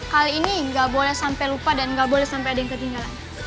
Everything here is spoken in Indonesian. kali ini nggak boleh sampai lupa dan nggak boleh sampai ada yang ketinggalan